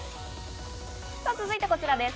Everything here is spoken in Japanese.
続いてこちらです。